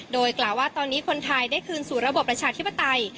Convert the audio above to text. โดยกล่าวว่าตอนนี้คนไทยได้คืนสู่ระบบประชาธิปไตย